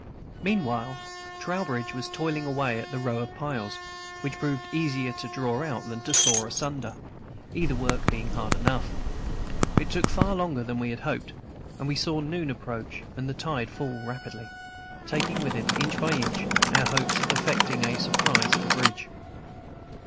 Meanwhile, Trowbridge was toiling away at the row of piles, which proved easier to draw out than to saw asunder, either work being hard enough. It took far longer than we had hoped, and we saw noon approach and the tide rapidly fall, taking with it, inch by inch, our hopes of effecting a surprise at the bridge.